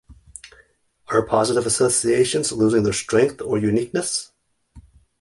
Are positive associations losing their strength or uniqueness?